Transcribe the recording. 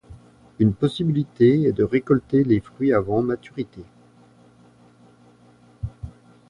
Une possibilité est de récolter les fruits avant maturité.